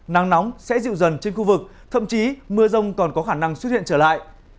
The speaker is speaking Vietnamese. nắng nóng sẽ dịu dần trên khu vực thậm chí mưa rông còn có khả năng xuất hiện trở lại